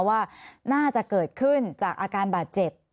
ว่าน่าจะเกิดขึ้นจากอาการบาดเจ็บ